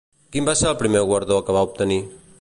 Quin va ser el primer guardó que va obtenir?